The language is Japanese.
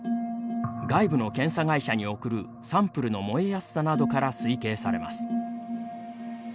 外部の検査会社に送るサンプルの燃えやすさなどから推計されます。